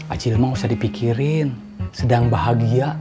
acil mah usah dipikirin sedang bahagia